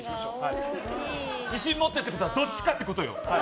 自信を持ってってことはどっちかってことよ！